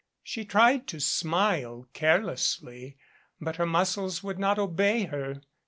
She tried to smile care lessly, but her muscles would not obey her.